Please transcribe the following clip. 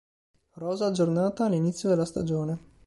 Rosa aggiornata all'inizio della stagione.